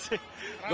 seru banget sih